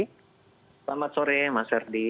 selamat sore mas herdi